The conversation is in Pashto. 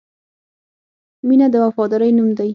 • مینه د وفادارۍ نوم دی.